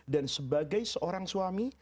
dan sebagai seorang suami